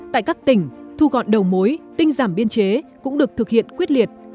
tại các tỉnh thu gọn đầu mối tinh giảm biên chế cũng được thực hiện quyết liệt